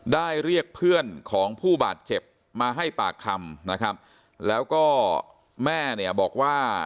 เรียกเพื่อนของผู้บาดเจ็บมาให้ปากคำนะครับแล้วก็แม่เนี่ยบอกว่า